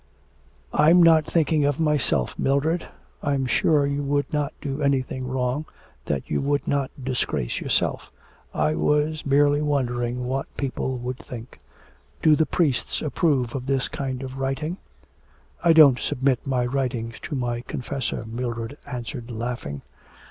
'I'm not thinking of myself, Mildred. I am sure you would not do anything wrong, that you would not disgrace yourself; I was merely wondering what people would think. Do the priests approve of this kind of writing?' 'I don't submit my writings to my Confessor,' Mildred answered laughing.